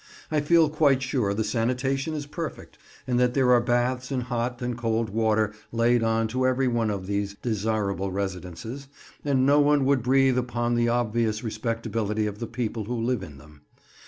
I feel quite sure the sanitation is perfect and that there are baths and hot and cold water laid on to every one of these "desirable residences"; and no one would breathe upon the obvious respectability of the people who live in them.